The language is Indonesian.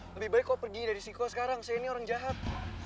lebih baik kau pergi dari siko sekarang saya ini orang jahat